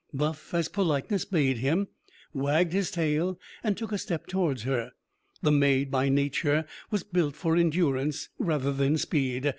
Buff, as politeness bade him, wagged his tail and took a step towards her. The maid, by nature, was built for endurance rather than speed.